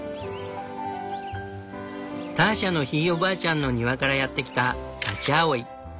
ターシャのひいおばあちゃんの庭からやって来たタチアオイ。